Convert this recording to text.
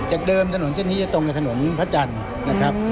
เดิมถนนเส้นนี้จะตรงกับถนนพระจันทร์นะครับ